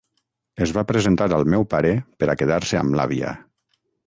Es va presentar al meu pare per a quedar-se amb l’àvia.